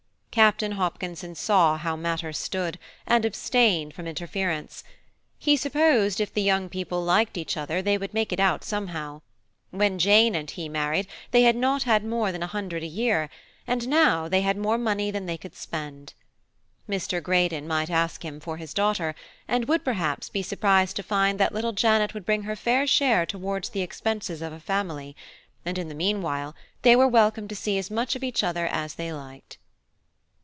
Captain Hopkinson saw how matters stood, and abstained from interference. He supposed if the young people liked each other they would make it out somehow: when Jane and he married they had not more than a hundred a year, and now they had more money than they could spend. Mr. Greydon might ask him for his daughter, and would, perhaps, be surprised to find that little Janet would bring her fair share towards the expenses of a family, and in the meanwhile they were welcome to see as much of each other as they liked.